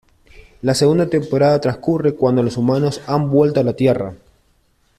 La segunda temporada transcurre cuando los humanos han vuelto a la Tierra.